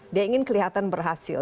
dia ingin kelihatan berhasil